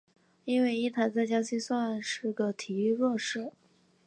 因为鹰潭在江西省算是个体育弱市。